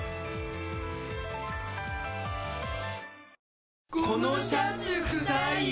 決戦の地、このシャツくさいよ。